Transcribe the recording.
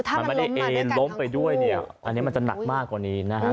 อันนี้มันจะหนักมากกว่านี้นะฮะ